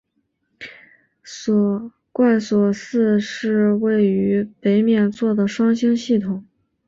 贯索四是位于北冕座的双星系统。